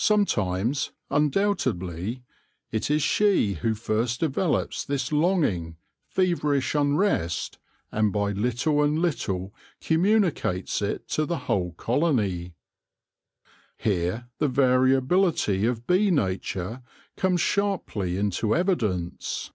Some times, undoubtedly, it is she who first develops this longing, feverish unrest, and by little and little communicates it to the whole colony. Here the variability of bee nature comes sharply into evidence.